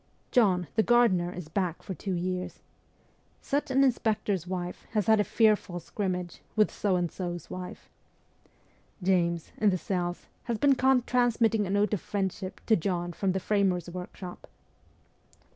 ' John, the gardener, is back for two years.' ' Such an inspector's wife has had a fearful scrimmage with So and So's wife.' ' James, in the cells, has been caught transmitting a note of friendship to John from the framers' workshop.'